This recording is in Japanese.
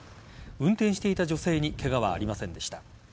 運転していた女性にケガはありませんでした。